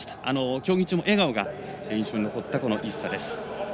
競技中も笑顔が印象に残ったイッサです。